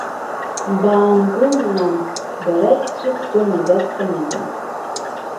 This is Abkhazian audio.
Баангыл, нан, бара ибцәызӡо маӡа сымаӡам.